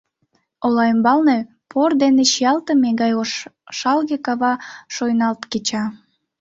Ола ӱмбалне пор дене чиялтыме гай ошалге кава шуйналт кеча.